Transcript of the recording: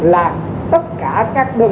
là tất cả các đơn